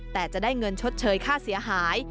แต่จะได้เงินชดเชยค่าเสียหาย